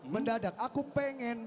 mendadak aku pengen